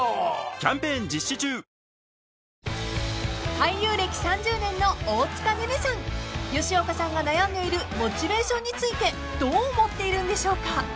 ［俳優歴３０年の大塚寧々さん吉岡さんが悩んでいるモチベーションについてどう思っているんでしょうか？］